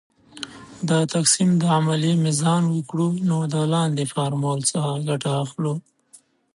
د تقسیم د عملیې میزان وکړو نو د لاندې فورمول څخه ګټه اخلو .